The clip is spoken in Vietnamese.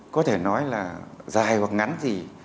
có thể nói là dài hoặc ngắn gì